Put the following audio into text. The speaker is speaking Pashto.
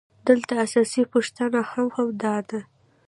دلته اساسي پوښتنه هم همدا ده